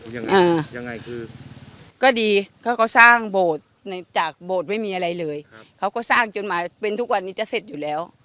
ยังไงยังไงคือก็ดีเขาก็สร้างโบสถ์จากโบสถ์ไม่มีอะไรเลยเขาก็สร้างจนมาเป็นทุกวันนี้จะเสร็จอยู่แล้ว